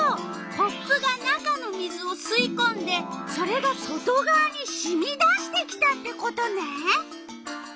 コップが中の水をすいこんでそれが外がわにしみ出してきたってことね！